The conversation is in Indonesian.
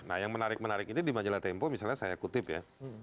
nah yang menarik menarik ini di majalah tempo misalnya saya kutip ya